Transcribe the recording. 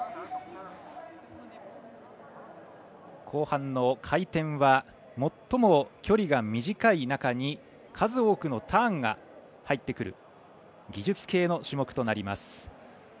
後半の回転は最も距離が短い中に数多くのターンが入ってくる技術系の種目となります。